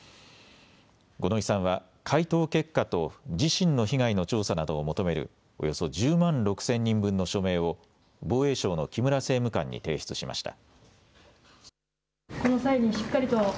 五ノ井さんは回答結果と自身の被害の調査などを求めるおよそ１０万６０００人分の署名を防衛省の木村政務官に提出しました。